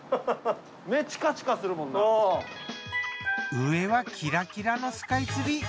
上はキラキラのスカイツリー。